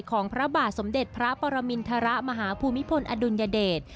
ของพระบาทสมเด็จพระปรมินทรมาหาภูมิพลอดุลยเดช